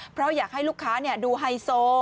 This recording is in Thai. เพราะอยากให้ลูกค้าดูไฮโซ